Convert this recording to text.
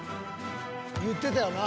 ［言ってたよな］